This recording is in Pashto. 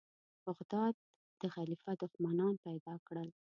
بغداد د خلیفه دښمنان پیدا کړل.